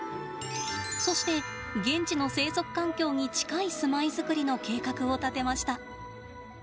そして現地の生息環境に近い住まいづくりの計画を立てました。